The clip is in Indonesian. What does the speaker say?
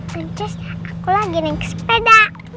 terus aku lagi naik sepeda